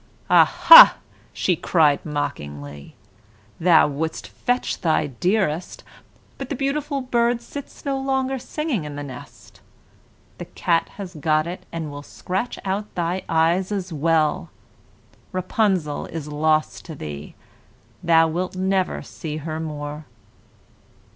"Aha!" she cried mockingly. "You would fetch your dearest, but the beautiful bird sits no longer singing in the nest; the cat has got it, and will scratch out your eyes as well. Rapunzel is lost to you; you will never see her more."